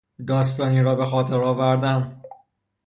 داستانی را به خاطر آوردن